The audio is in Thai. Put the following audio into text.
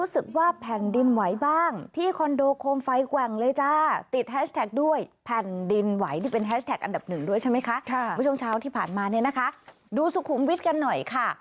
ที่ผ่านมานี่นะคะดูสุขุมวิทกันหน่อยค่ะ